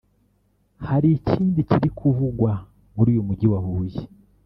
"Hari ikindi kiri kuvugwa muri uyu mujyi wa Huye